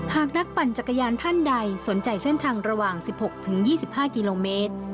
หากนักปั่นจักรยานท่านใดสนใจเส้นทางระหว่างสิบหกถึงยี่สิบห้ากิโลเมตร